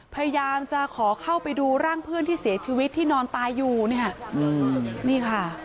พยายามจะขอเข้าไปดูร่างเพื่อนที่เสียชีวิตที่นอนตายอยู่เนี่ยนี่ค่ะ